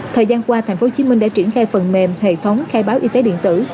thời gian qua tp hcm đã triển khai phần mềm hệ thống khai báo y tế điện tử